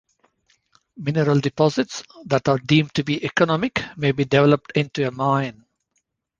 Mineral deposits that are deemed to be economic may be developed into a mine.